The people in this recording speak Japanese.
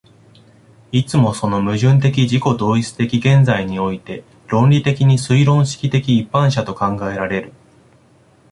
いつもその矛盾的自己同一的現在において論理的に推論式的一般者と考えられる。